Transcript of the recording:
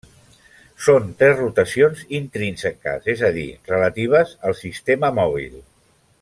Són tres rotacions intrínseques, és a dir, relatives al sistema mòbil.